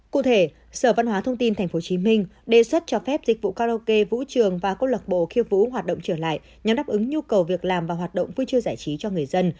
cụ thể sở văn hóa thông tin tp hcm đề xuất cho phép dịch vụ karaoke vũ trường và câu lạc bộ khiêu vũ hoạt động trở lại nhằm đáp ứng nhu cầu việc làm và hoạt động vui chơi giải trí cho người dân